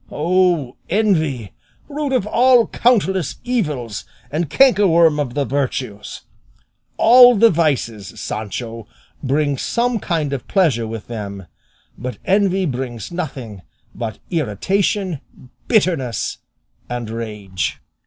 O envy, root of all countless evils, and cankerworm of the virtues! All the vices, Sancho, bring some kind of pleasure with them; but envy brings nothing but irritation, bitterness, and rage."